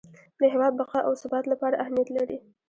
د هیواد بقا او ثبات لپاره اهمیت لري.